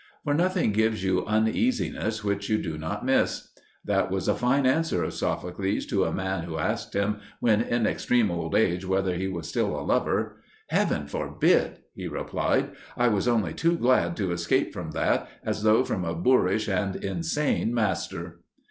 For nothing gives you uneasiness which you do not miss. That was a fine answer of Sophocles to a man who asked him, when in extreme old age, whether he was still a lover. "Heaven forbid!" he replied; "I was only too glad to escape from that, as though from a boorish and insane master."